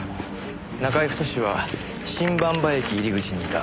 中居太は新馬場駅入り口にいた。